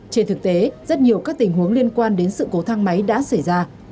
trên thực tế rất nhiều các tình huống liên quan đến sự cố thang máy đã xảy ra